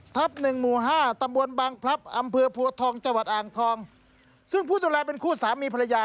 ตำบวนบางพลับอำเภอภูทองจังหวัดอ่างทองซึ่งผู้ดูแลเป็นคู่สามีภรรยา